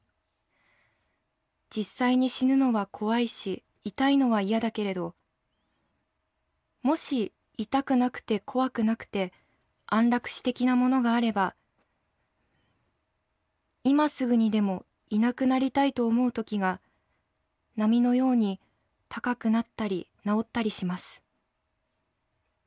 実際に死ぬのは怖いし痛いのは嫌だけれどもし痛くなくて怖くなくて安楽死てきなものがあれば今すぐにでもいなくなりたいと思う時が波のように高くなったり治ったりします。